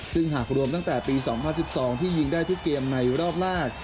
ซึ่งหากรวมตั้งแต่ปี๒๐๑๒ที่ยิงได้ทุกเกมในรอบแรก